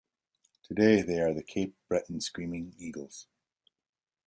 Today they are the Cape Breton Screaming Eagles.